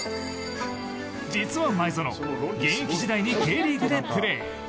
実は前園現役時代にＫリーグでプレー。